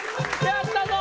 やったぞ！